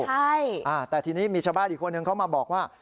ใช่แต่ทีนี้มีชาวบ้านอีกคนนึงเขามาบอกว่า